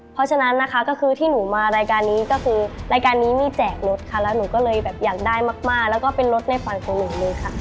เพราะฉะนั้นนะคะก็คือที่หนูมารายการนี้ก็คือรายการนี้มีแจกรถค่ะแล้วหนูก็เลยแบบอยากได้มากแล้วก็เป็นรถในฝันของหนูเลยค่ะ